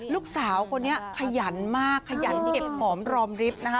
ลูกสาวคนนี้ขยันมากขยันเก็บหอมรอมริฟท์นะคะ